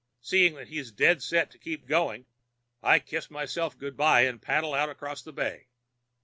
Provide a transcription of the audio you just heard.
Seeing that he's dead set to keep going, I kiss myself good by and paddle out across the bay.